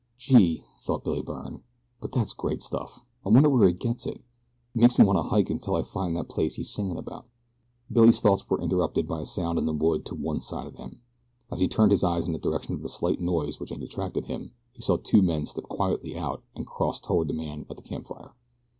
"Gee!" thought Billy Byrne; "but that's great stuff. I wonder where he gets it. It makes me want to hike until I find that place he's singin' about." Billy's thoughts were interrupted by a sound in the wood to one side of him. As he turned his eyes in the direction of the slight noise which had attracted him he saw two men step quietly out and cross toward the man at the camp fire.